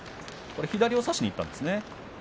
これは左を差しにいったんですね。